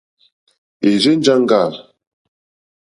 È rzênjāŋɡâ.